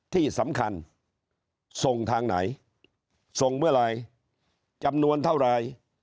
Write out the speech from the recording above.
ที่สำคัญส่งทางไหนส่งเมื่อไหร่จำนวนเท่าไร